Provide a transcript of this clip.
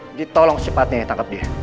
jadi tolong secepatnya tangkap dia